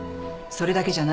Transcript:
それだけじゃない。